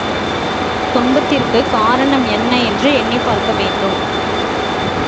துன்பத்திற்குக் காரணம் என்ன என்று எண்ணிப்பார்க்க வேண்டும்.